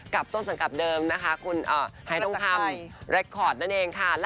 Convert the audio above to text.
กับต้นสังกับเดิมนะคะคุณหายต้นครรี่ระยกคอร์ดนั่นเองค่ะ